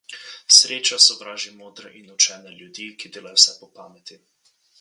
Sreča sovraži modre in učene ljudi, ki delajo vse po pameti.